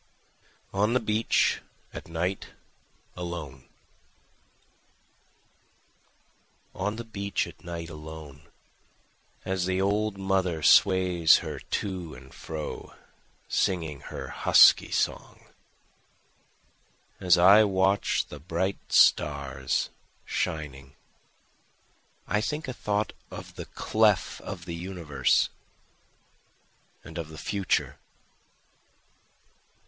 On the Beach at Night Alone On the beach at night alone, As the old mother sways her to and fro singing her husky song, As I watch the bright stars shining, I think a thought of the clef of the universes and of the future.